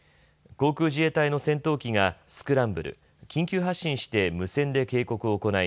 航空自衛隊の戦闘機がスクランブル・緊急発進して無線で警告を行い